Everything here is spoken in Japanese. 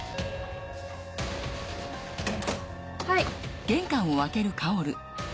はい。